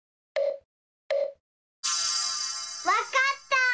わかった！